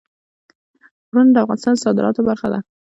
غرونه د افغانستان د صادراتو برخه ده.